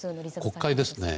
国会ですね。